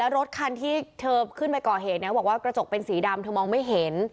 รถคันที่เธอขึ้นไปก่อเหตุบอกว่ากระจกเป็นสีดำเธอมองไม่เห็น